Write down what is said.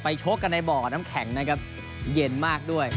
ชกกันในบ่อน้ำแข็งนะครับเย็นมากด้วย